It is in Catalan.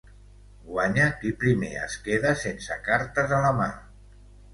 Guanya qui primer es queda sense cartes a la mà.